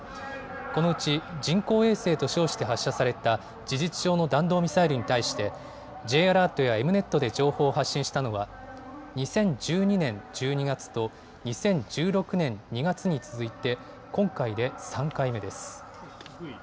このうち人工衛星と称して発射された事実上の弾道ミサイルに対して、Ｊアラートやエムネットで情報を発信したのは、２０１２年１２月と２０１６年２月に続いて、今回で３回目です。